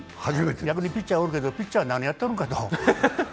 逆にピッチャーに言うけどピッチャーは何やっとるかと。